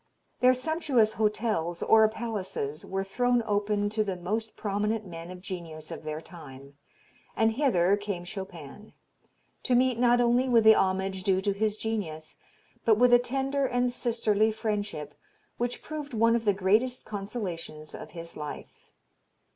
Their sumptuous 'hotels' or palaces were thrown open to the most prominent men of genius of their time, and hither came Chopin, to meet not only with the homage due to his genius, but with a tender and sisterly friendship, which proved one of the greatest consolations of his life.